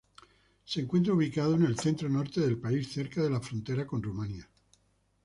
Se encuentra ubicado en el centro-norte del país, cerca de la frontera con Rumania.